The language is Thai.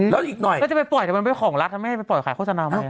ก็จะไปปล่อยมันมาเป็นของรัฐมันไม่ได้ปล่อยไขีโฆษณาไหม